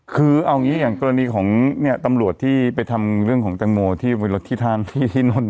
คือเอาอย่างนี้อย่างกรณีของนี่ตำรวจที่ไปทำเรื่องของเต็มโมที่เวลาที่ทานพี่นนน